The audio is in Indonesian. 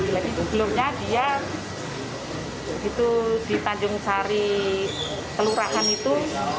sebelumnya dia begitu di tanjung sari kelurahan itu